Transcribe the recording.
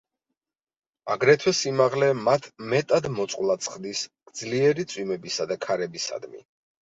აგრეთვე, სიმაღლე მათ მეტად მოწყვლადს ხდის ძლიერი წვიმებისა და ქარებისადმი.